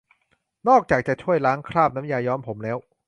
นอกจากจะช่วยล้างคราบน้ำยาย้อมผมแล้ว